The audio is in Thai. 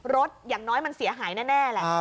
อย่างน้อยมันเสียหายแน่แหละ